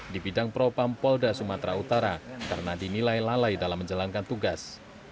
di bidang propam polda sumatera utara karena dinilai lalai dalam menjalankan tugas